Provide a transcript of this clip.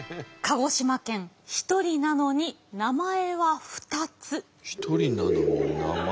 鹿児島県１人なのに名前は２つ。